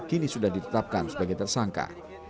kini sudah ditetapkan sebagai tersangka